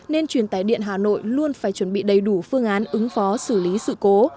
nên truyền tài điện hà nội luôn phải chuẩn bị đầy đủ phương án ứng phó xử lý sự cố